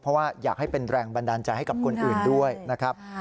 เพราะว่าอยากให้เป็นแรงบันดาลใจให้กับคนอื่นด้วยนะครับ